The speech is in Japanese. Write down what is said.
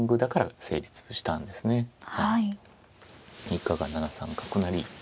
以下が７三角成。